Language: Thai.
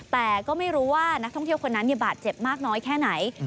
แต่ก็ไม่รู้ว่านักท่องเที่ยวคนนั้นบาดเจ็บมากน้อยแค่ไหน